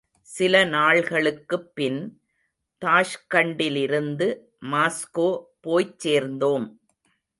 சில நாள்களுக்குப் பின், தாஷ்கண்டிலிருந்து மாஸ்கோ போய்ச் சேர்ந்தோம்.